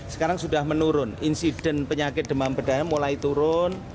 sekarang sudah menurun insiden penyakit demam berdarah mulai turun